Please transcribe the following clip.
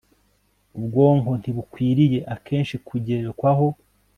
Ubwonko ntibukwiriye akenshi kugerekwaho